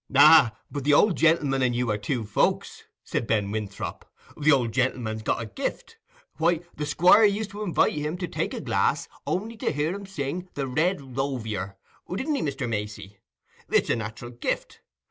"Ah! but the old gentleman and you are two folks," said Ben Winthrop. "The old gentleman's got a gift. Why, the Squire used to invite him to take a glass, only to hear him sing the "Red Rovier"; didn't he, Mr. Macey? It's a nat'ral gift.